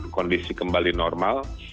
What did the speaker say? kondisi kembali normal